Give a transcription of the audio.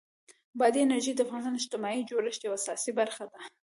بادي انرژي د افغانستان د اجتماعي جوړښت یوه اساسي برخه ده.